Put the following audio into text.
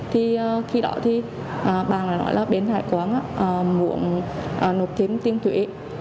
thì khi đó thì bà nói là bên hải quan muộn nộp thêm tiếng thủy